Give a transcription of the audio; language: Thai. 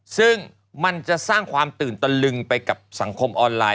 ซึ่งมันจะสร้างความตื่นตะลึงไปกับสังคมออนไลน